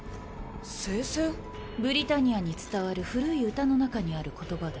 ブリタニアに伝わる古い詩の中にある言葉だ。